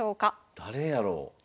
誰やろう？